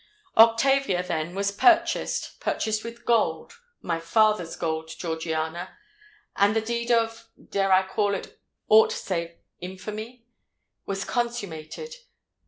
"Octavia, then, was purchased—purchased with gold—my father's gold, Georgiana;—and the deed of—dare I call it aught save infamy?—was consummated!"